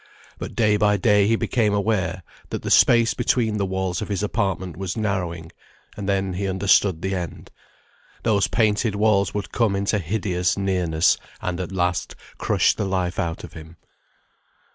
But day by day he became aware that the space between the walls of his apartment was narrowing, and then he understood the end. Those painted walls would come into hideous nearness, and at last crush the life out of him.